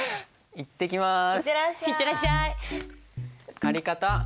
行ってきます。